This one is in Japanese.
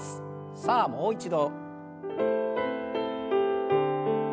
さあもう一度。